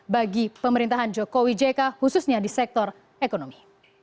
bagi pemerintahan jokowi jk khususnya di sektor ekonomi